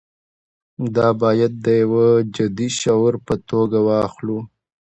دا باید د یوه جدي شعور په توګه واخلو.